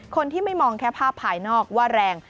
คนที่ไม่มองแค่ภาพภายนอกว่าแรง